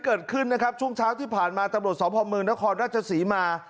เกิดขึ้นนะครับช่วงเช้าที่ผ่านมาตำรวจสพเมืองนครราชศรีมา